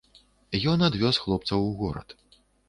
Ён адвёз хлопцаў у горад.